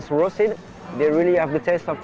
mereka benar benar memiliki rasa cestanya